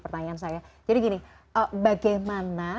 pertanyaan saya jadi gini bagaimana